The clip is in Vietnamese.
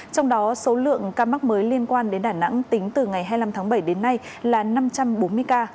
trong đó số lượng ca mắc mới liên quan đến đà nẵng tính từ ngày hai mươi năm tháng bảy đến nay là năm trăm bốn mươi ca